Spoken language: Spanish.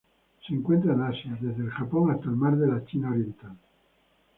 Se encuentran en Asia: desde el Japón hasta el Mar de la China Oriental.